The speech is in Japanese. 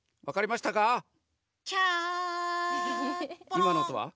いまのおとは？